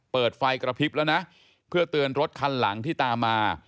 เปิดไฟกระพริบแล้วนะเพื่อเตือนรถคันหลังที่ตามมา